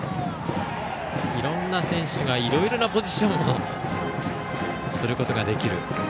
いろんな選手がいろいろなポジションをすることができる。